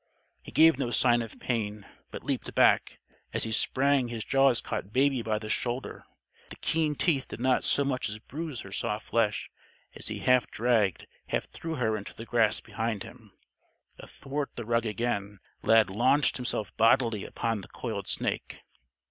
He gave no sign of pain; but leaped back. As he sprang his jaws caught Baby by the shoulder. The keen teeth did not so much as bruise her soft flesh as he half dragged, half threw her into the grass behind him. Athwart the rug again, Lad launched himself bodily upon the coiled snake.